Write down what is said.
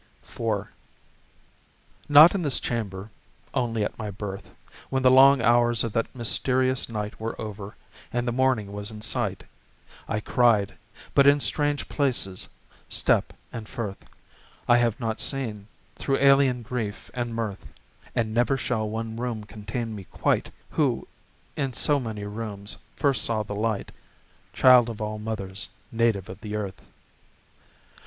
IV Not in this chamber only at my birth When the long hours of that mysterious night Were over, and the morning was in sight I cried, but in strange places, steppe and firth I have not seen, through alien grief and mirth; And never shall one room contain me quite Who in so many rooms first saw the light, Child of all mothers, native of the earth.